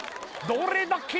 「どれだけ」